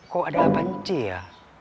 kok ada panci ya